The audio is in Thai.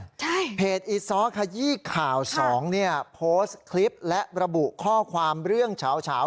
ใช่เพจอีซ้อขยี้ข่าวสองเนี่ยโพสต์คลิปและระบุข้อความเรื่องเฉา